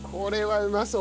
うまそう！